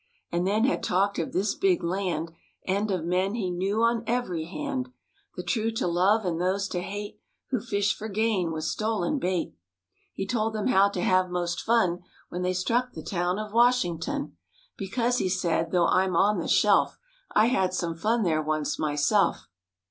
And then had talked of this big land And of men he knew on every hand : The true to love and those to hate Who fish for gain with stolen bait. He told them how to have most fun When they struck the town of Washington; " Because,'' he said, " though I'm on the shelf, I had some fun there once myself.